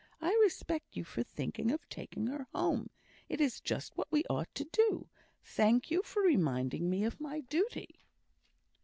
I respect you for thinking of taking her home; it is just what we ought to do. Thank you for reminding me of my duty."